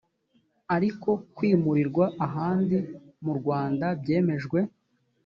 ariko kwimurirwa ahandi mu rwanda byemejwe